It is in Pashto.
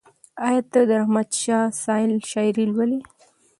ایا ته د رحمت شاه سایل شاعري لولې؟